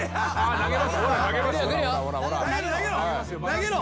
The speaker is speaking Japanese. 投げろ。